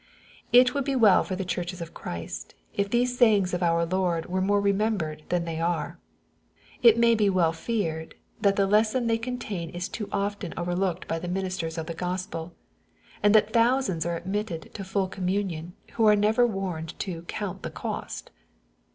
It would be well for the churches of Christ, if these sayings of our Lord were more remembered than they are. It may well be feared, that the lesson they contain is too often overlooked by the ministers of the Q ospel, and that thousands are admitted to full communion, who are never warned to " count the cost."